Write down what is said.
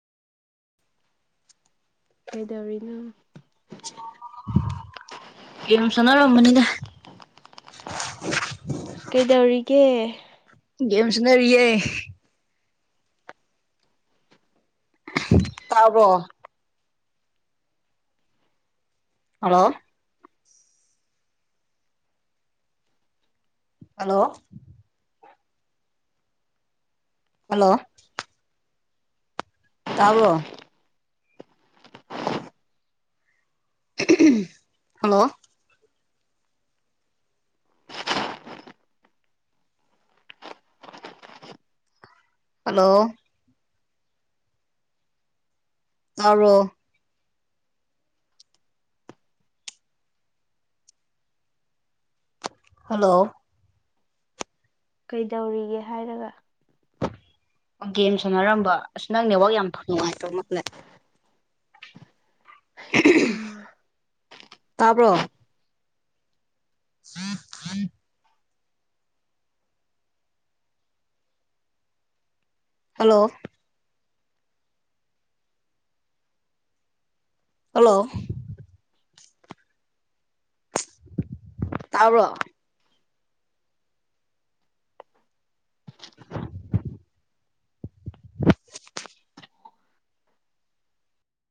ꯀꯩꯗꯧꯔꯤꯅꯣ ꯒꯦꯝ ꯁꯥꯟꯅꯥꯔꯝꯕꯅꯤꯗ ꯀꯩꯗꯧꯔꯤꯒꯦ ꯒꯦꯝ ꯁꯅꯔꯤꯌꯦ ꯇꯥꯕ꯭ꯔꯣ ꯑꯂꯣ ꯑꯜꯂꯣ ꯍꯜꯂꯣ ꯇꯥꯥꯕ꯭ꯔꯣ [unintelligible] ꯍꯜꯂꯣ ꯑꯜꯂꯣ ꯇꯥꯕꯔꯣ ꯍꯜꯂꯣ ꯀꯩꯗꯧꯔꯤꯒꯦ ꯍꯥꯏꯔꯒ ꯒꯦꯝ ꯁꯅꯔꯝꯕ ꯑꯁ ꯅꯪ ꯅꯦꯋꯥꯛ ꯌꯥꯝ ꯐꯪ ꯅꯨꯡꯉꯥꯏꯇ ꯃꯥꯜꯂꯦ ꯑꯩ ꯃꯥ [unintelligible] ꯇꯥꯕ꯭ꯔꯣ [unintelligible] [unintelligible] ꯍꯜꯂꯣ ꯑꯜꯂꯣ ꯇꯥꯕ꯭ꯔꯣ